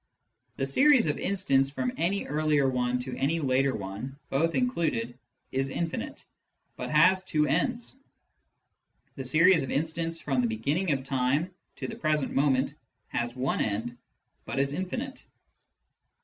The series of instants from any earlier one to any later one (both included) is infinite, but has two ends ; the series of instants from the beginning of time to the present moment has one end, but is infinite.